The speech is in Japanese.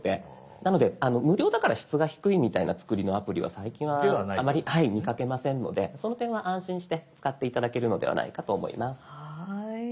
なので無料だから質が低いみたいな作りのアプリは最近はあまり見かけませんのでその点は安心して使って頂けるのではないかと思います。